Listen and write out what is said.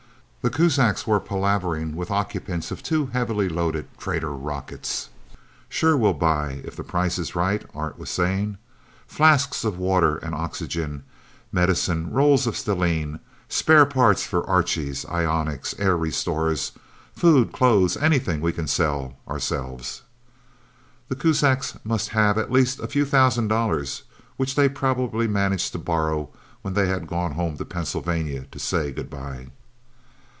The Kuzaks were palavering with the occupants of two heavily loaded trader rockets. "Sure we'll buy if the price is right," Art was saying. "Flasks of water and oxygen, medicines, rolls of stellene. Spare parts for Archies, ionics, air restorers. Food, clothes anything we can sell, ourselves..." The Kuzaks must have at least a few thousand dollars, which they had probably managed to borrow when they had gone home to Pennsylvania to say goodbye.